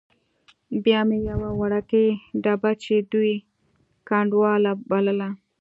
بیا مې یوه وړوکې ډبه چې دوی ګنډولا بلله.